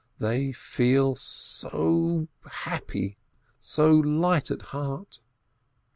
They feel so happy, so light at heart.